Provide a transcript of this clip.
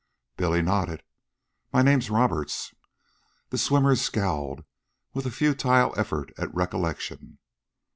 Billy nodded. "My name's Roberts." The swimmer scowled with a futile effort at recollection.